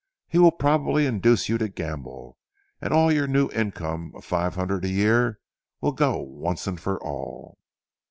He will probably induce you to gamble and all your new income of five hundred a year will go once and for all."